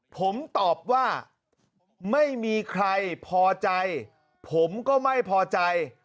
ผมตอบว่าไม่มีใครพอใจผมก็ไม่พอใจ